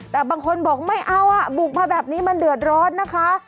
แต่บางคนบอกไม่เอาอ่ะบุกมาแบบนี้มันเดือดร้อนนะคะ